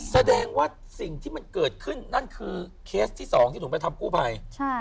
แสดงว่าสิ่งที่มันเกิดขึ้นนั่นคือเคสที่สองที่หนูไปทำกู้ภัย